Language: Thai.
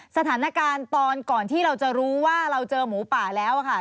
สถานการณ์ตอนก่อนที่เราจะรู้ว่าเราเจอหมูป่าแล้วค่ะ